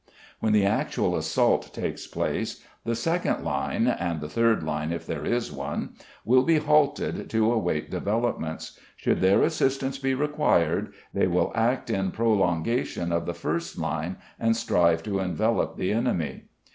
When the actual assault takes place the second line—and the third line, if there is one—will be halted to await developments; should their assistance be required they will act in prolongation of the first line, and strive to envelop the enemy.